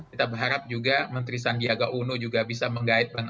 kita berharap juga menteri sandiaga uno juga bisa menggait